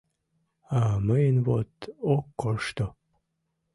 А мыйын вот ок коршто...